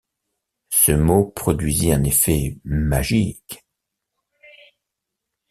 Ce mot produisit un effet magique.